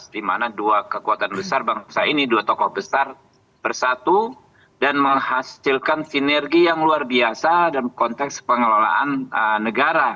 di mana dua kekuatan besar bangsa ini dua tokoh besar bersatu dan menghasilkan sinergi yang luar biasa dalam konteks pengelolaan negara